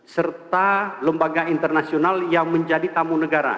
serta lembaga internasional yang menjadi tamu negara